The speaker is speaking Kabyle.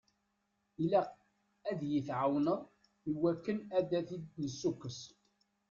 Ilaq ad yi-tɛawneḍ i wakken ad ten-id-nessukkes.